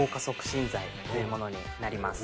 というものになります。